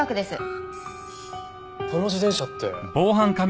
この自転車って。